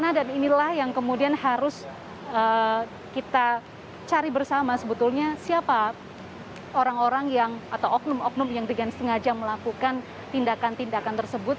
nah inilah yang kemudian harus kita cari bersama sebetulnya siapa orang orang yang atau oknum oknum yang dengan sengaja melakukan tindakan tindakan tersebut